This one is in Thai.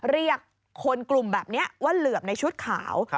เรียกคนกลุ่มแบบนี้ว่าเหลือบในชุดขาว